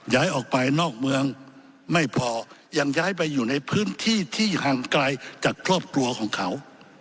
ย้ายออกไปนอกเมืองไม่พอยังย้ายไปอยู่ในพื้นที่ที่ห่างไกลจากครอบครัวของเขา